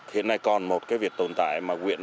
hiện nay còn một cái việc tồn tại mà huyện